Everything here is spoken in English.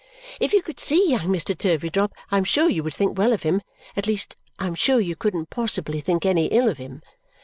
If you could see young Mr. Turveydrop, I am sure you would think well of him at least, I am sure you couldn't possibly think any ill of him.